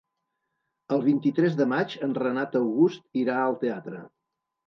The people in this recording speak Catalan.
El vint-i-tres de maig en Renat August irà al teatre.